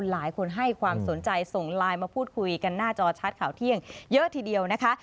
หลายคนให้ความสนใจส่งไลน์มาพูดคุยกันหน้าจอชัดข่าวเที่ยงเยอะทีเดียวนะคะ